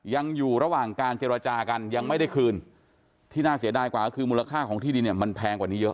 ยังอยู่ระหว่างการเจรจากันยังไม่ได้คืนที่น่าเสียดายกว่าก็คือมูลค่าของที่ดินเนี่ยมันแพงกว่านี้เยอะ